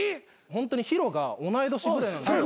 ホントに裕が同い年ぐらいなんですよ。